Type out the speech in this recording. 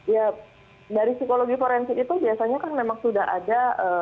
ya dari psikologi forensik itu biasanya kan memang sudah ada